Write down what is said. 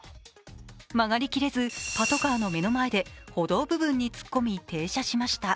曲がりきれずパトカーの目の前で歩道部分に突っ込み、停車しました